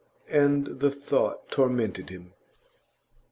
And the thought tormented him.